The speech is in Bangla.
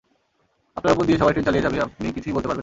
আপনার ওপর দিয়ে সবাই ট্রেন চালিয়ে যাবে, আপনি কিছুই বলতে পারবেন না।